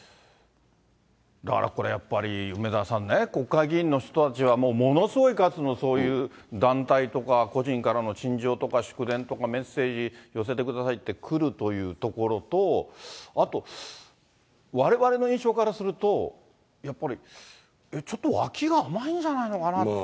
だからこれ、やっぱり、梅沢さんね、国会議員の人たちは、ものすごい数のそういう団体とか、個人からの陳情とか祝電とかメッセージ寄せてくださいって来るというところと、あと、われわれの印象からすると、やっぱりちょっとわきが甘いんじゃないのかなと。